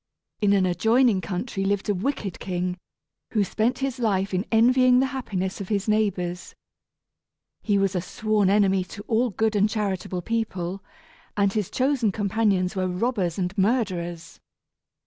In an adjoining country lived a wicked king, who spent his life in envying the happiness of his neighbors. He was a sworn enemy to all good and charitable people, and his chosen companions were robbers and murderers.